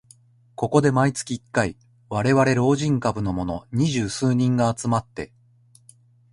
ここで毎月一回、われわれ老人株のもの二十数人が集まって